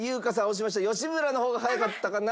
吉村の方が早かったかな？